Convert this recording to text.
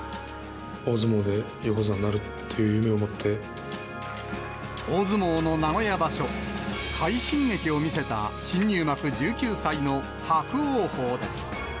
大相撲で横綱になるっていう大相撲の名古屋場所、快進撃を見せた新入幕、１９歳の伯桜鵬です。